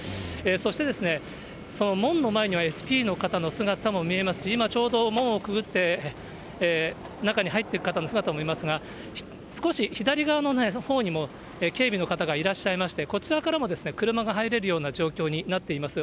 そして、門の前にはＳＰの方の姿も見えますし、今ちょうど、門をくぐって、中に入っていく方の姿もいますが、少し左側のほうにも警備の方がいらっしゃいまして、こちらからも車が入れるような状況になっています。